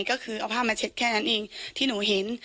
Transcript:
ก็คือเอาผ้ามาเช็ดแค่นั้นเองที่หนูเห็น